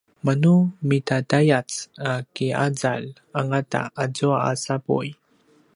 manu midadayac a ki’azalj angata azua a sapuy